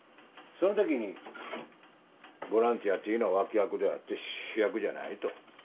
その時にボランティアというのは脇役であって主役じゃないと。